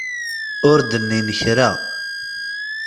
Ur d-nnin kra.